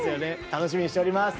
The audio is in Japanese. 楽しみにしております。